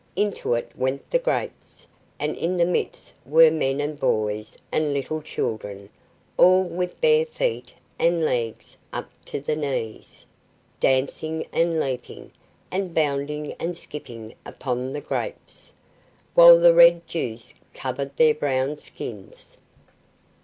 Into it went the grapes, and in the midst were men and boys and little children, all with bare feet and legs up to the knees, dancing and leaping, and bounding and skipping upon the grapes, while the red juice covered their brown skins.